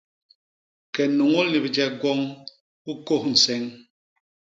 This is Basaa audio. Ke nuñul ni bijek gwoñ, u kôs nseñ.